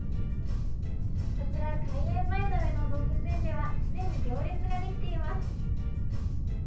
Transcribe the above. こちら、開園前の上野動物園では、すでに行列が出来ています。